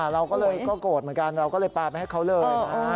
เราก็เลยก็โกรธเหมือนกันเราก็เลยปลาไปให้เขาเลย